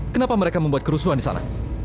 kenapa mereka membuat kerusuhan di sana